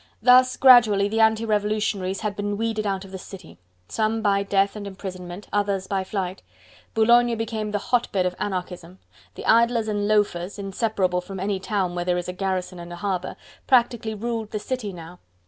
Thus gradually the anti revolutionaries had been weeded out of the city: some by death and imprisonment, others by flight. Boulogne became the hotbed of anarchism: the idlers and loafers, inseparable from any town where there is a garrison and a harbour, practically ruled the city now.